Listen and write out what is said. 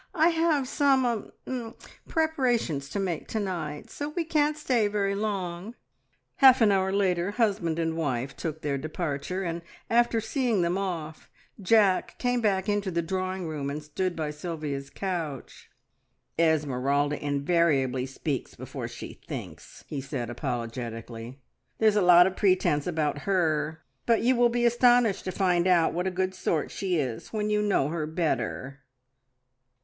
I have some er preparations to make to night, so we can't stay very long." Half an hour later husband and wife took their departure, and after seeing them off, Jack came back into the drawing room and stood by Sylvia's couch. "Esmeralda invariably speaks before she thinks!" he said apologetically. "There's a lot of pretence about her, but you will be astonished to find out what a good sort she is when you know her better."